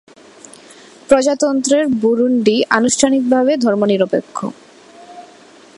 প্রজাতন্ত্রের বুরুন্ডি আনুষ্ঠানিকভাবে ধর্মনিরপেক্ষ।